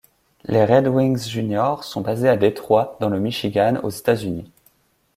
Les Red Wings Junior sont basés à Détroit dans le Michigan aux États-Unis.